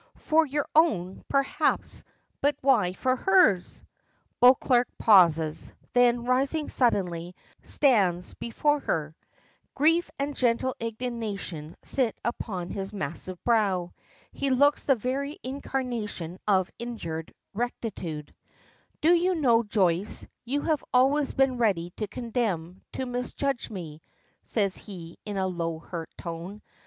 "For your own, perhaps, but why for hers?" Beauclerk pauses: then rising suddenly, stands before her. Grief and gentle indignation sit upon his massive brow. He looks the very incarnation of injured rectitude. "Do you know, Joyce, you have always been ready to condemn, to misjudge me," says he in a low, hurt tone.